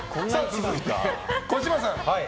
続いて、児嶋さん。